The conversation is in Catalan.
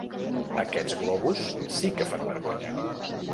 Aquests globus sí que fan vergonya.